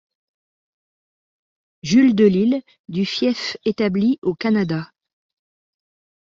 Jules de Lisle du Fief établi au Canada.